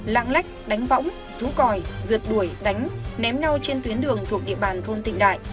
lặng lách đánh võng rú còi rượt đuổi đánh ném nao trên tuyến đường thuộc địa bàn thôn tịnh đại